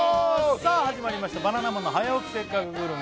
さあ始まりました「バナナマンの早起きせっかくグルメ！！」